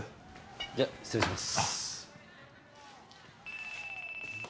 じゃあ失礼します。